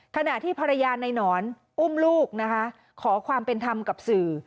ขณะที่ภรรยาในหนอนอุ้มลูกนะคะขอความเป็นธรรมกับสื่อ